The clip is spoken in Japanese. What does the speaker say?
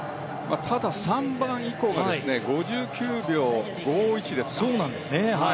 ただ、３番以降が５９秒５１ですからね。